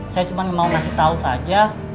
saya cuma mau ngasih tahu saja